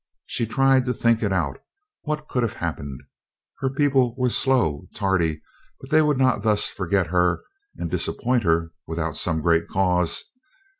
She tried to think it out: what could have happened? Her people were slow, tardy, but they would not thus forget her and disappoint her without some great cause.